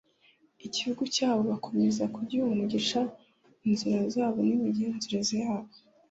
igihugu cyabo bakomeza kugihumanyisha inzira zabo n'imigenzereze yabo o